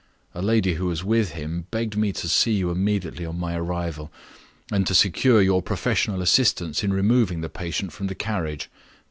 A lady who was with him begged me to see you immediately on my arrival, and to secure your professional assistance in removing the patient from the carriage.